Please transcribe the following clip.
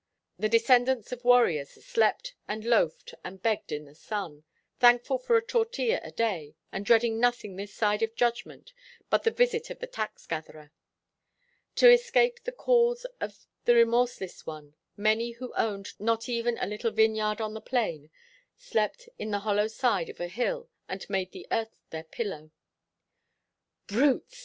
The descendants of warriors slept and loafed and begged in the sun, thankful for a tortilla a day and dreading nothing this side of Judgment but the visit of the tax gatherer. To escape the calls of the remorseless one, many who owned not even a little vineyard on the plain slept in the hollowed side of a hill and made the earth their pillow. "Brutes!"